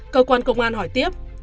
cơ quan công an hỏi tiếp